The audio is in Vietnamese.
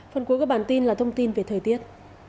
phần cuối của bản tin là thông tin về thời tiết